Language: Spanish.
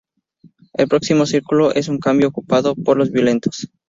El próximo círculo es en cambio ocupado por los violentos.